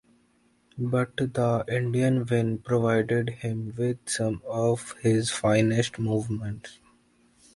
But the Indian win provided him with some of his finest moments.